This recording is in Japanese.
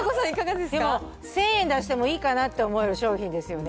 でも１０００円出してもいいかなって思える商品ですよね。